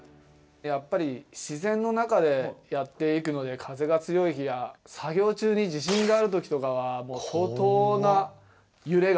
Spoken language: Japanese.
やっぱり自然の中でやっていくので風が強い日や作業中に地震があるときとかは相当なゆれが。